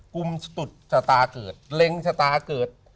กลุ่มสตุดชะตาเกิดเล็งชะตาเกิด